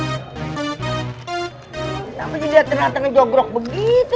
tapi juga ternyata ngejogrok begitu